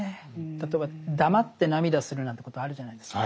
例えば黙って涙するなんてことあるじゃないですか。